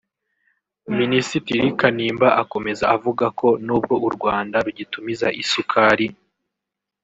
Minisitiri Kanimba akomeza avuga ko nubwo u Rwanda rugitumiza isukari